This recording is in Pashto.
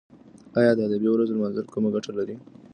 ایا د ادبي ورځو لمانځل کومه ګټه لري؟